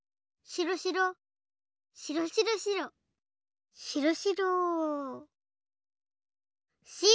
しろしろしろしろしろしろ。